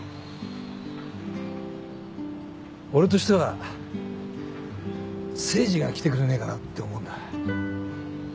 俺としては誠治が来てくれねえかなって思うんだ。